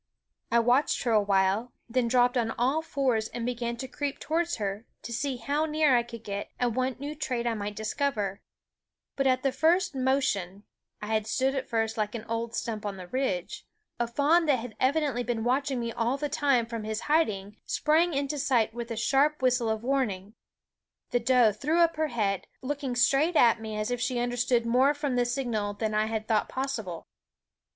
I watched her awhile, then dropped on all fours and began to creep towards her, to see how near I could get and what new trait I might discover. But at the first motion (I had stood at first like an old stump on the ridge) a fawn that had evidently been watching me, among the bushes where Cry in the 9 SCHOOL Of I could not see him, sprang into sight with Crv In the a s ^ ar P wn i st ^ e f warning. The doe threw JVighfr J& U P ner nea d, looking straight at me, as if she had understood more from the signal than I had thought possible.